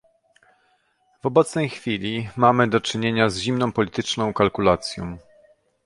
W obecnej chwili mamy do czynienia z zimną polityczną kalkulacją